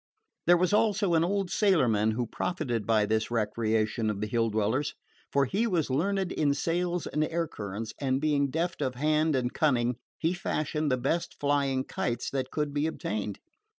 There was also an old sailorman who profited by this recreation of the Hill dwellers; for he was learned in sails and air currents, and being deft of hand and cunning, he fashioned the best flying kites that could be obtained.